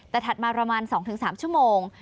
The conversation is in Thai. แต่ถัดมาประมาณ๒๓ชั่วโมง